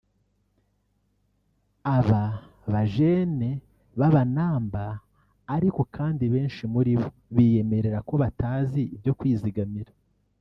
Aba bajeune b’Abanamba ariko kandi benshi muri bo biyemerera ko batazi ibyo kwizigamira